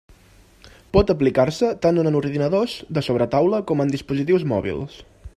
Pot aplicar-se tant en ordinadors de sobretaula com en dispositius mòbils.